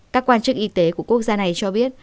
các quan chức y tế của quốc gia này cho biết